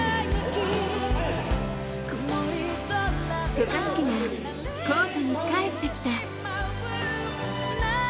渡嘉敷がコートに帰ってきた。